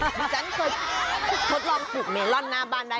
ดิฉันเคยทดลองปลูกเมลอนหน้าบ้านได้